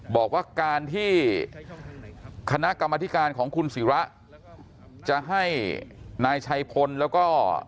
บอกว่าการที่คณะกรรมธิการของคุณศิระจะให้นายชัยพลแล้วก็